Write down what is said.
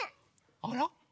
あら？